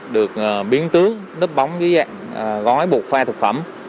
được biến tướng nứt bóng với dạng gói bột pha thực phẩm